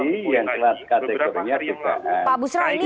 yang telah kategorinya kebanyakan